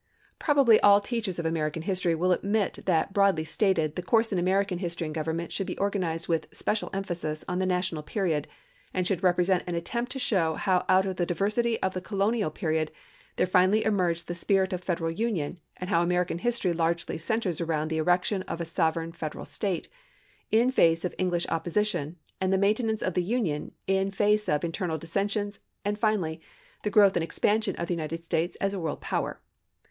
Probably all teachers of American history will admit that broadly stated the course in American history and government should be organized with special emphasis on the national period, and should represent an attempt to show how out of the diversity of the colonial period there finally emerged the spirit of federal union, and how American history largely centers around the erection of a sovereign federal state, in face of English opposition, and the maintenance of the union, in the face of internal dissensions, and finally, the growth and expansion of the United States as a world power.